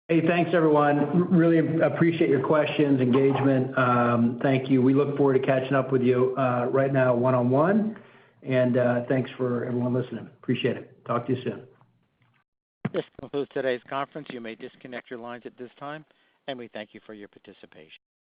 Hey, thanks everyone. Really appreciate your questions, engagement. Thank you. We look forward to catching up with you right now one-on-one, and thanks for everyone listening. Appreciate it. Talk to you soon. This concludes today's conference. You may disconnect your lines at this time, and we thank you for your participation.